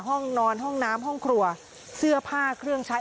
ห้องนอนห้องน้ำห้องครัวเสื้อผ้าเครื่องใช้